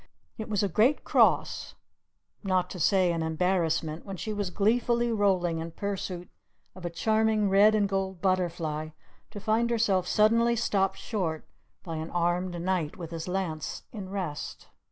It was a great cross, not to say an embarrassment, when she was gleefully rolling in pursuit of a charming red and gold butterfly, to find herself suddenly stopped short by an armed knight with his lance in rest.